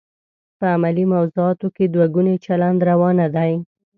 په علمي موضوعاتو کې دوه ګونی چلند روا نه دی.